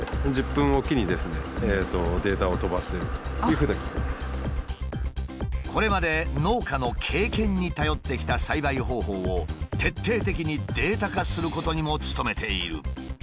これでこれまで農家の経験に頼ってきた栽培方法を徹底的にデータ化することにも努めている。